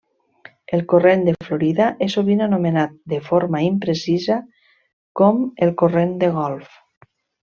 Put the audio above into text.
El Corrent de Florida és sovint anomenat de forma imprecisa com el Corrent de Golf.